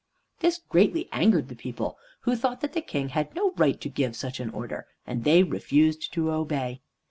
This greatly angered the people, who thought that the King had no right to give such an order, and they refused to obey.